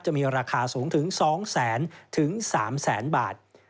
จะมีราคาสูงถึง๒๐๐๐๐๐๓๐๐๐๐๐บาท